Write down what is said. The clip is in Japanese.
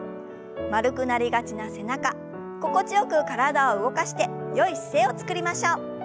丸くなりがちな背中心地よく体を動かしてよい姿勢をつくりましょう。